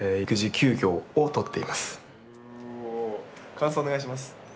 感想お願いします。